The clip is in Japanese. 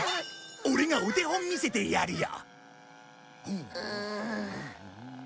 オレがお手本見せてやるよ。